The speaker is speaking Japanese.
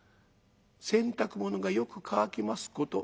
洗濯物がよく乾きますこと。